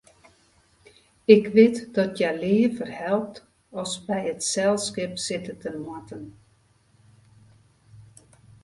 Ik wit dat hja leaver helpt as by it selskip sitte te moatten.